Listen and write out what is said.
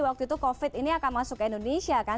waktu itu covid ini akan masuk ke indonesia kan